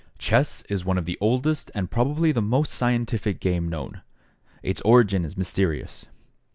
= Chess is one of the oldest, and probably the most scientific, game known. Its origin is mysterious.